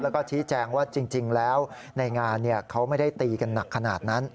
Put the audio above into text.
แล้วก็ชี้แจงว่าจริงแล้วในงานเขาไม่ได้ตีกันหนักขนาดนั้น